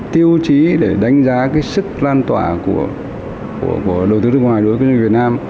tiêu chí để đánh giá sức lan tỏa của đầu tư nước ngoài đối với doanh nghiệp việt nam